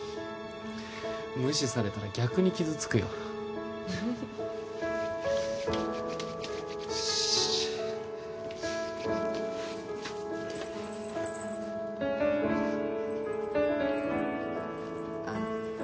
無視されたら逆に傷つくよよしあ